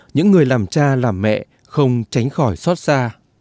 những người làm cha làm mẹ không tránh khỏi xót xa